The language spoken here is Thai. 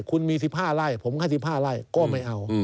คุณมีสิบห้าไร่ผมให้สิบห้าไร้ก็ไม่เอา